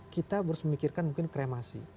kita harus memikirkan mungkin kremasi